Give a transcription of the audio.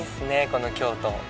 この京都。